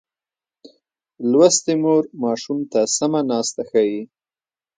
لوستې مور ماشوم ته سمه ناسته ښيي.